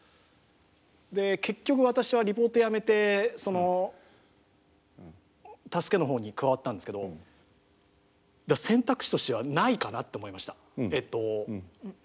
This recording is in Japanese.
で結局私はリポートやめてその助けのほうに加わったんですけど選択肢としてはないかなと思いました。